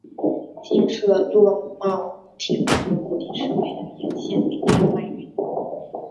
建设洛茂铁路的目的是为了沿线煤炭外运。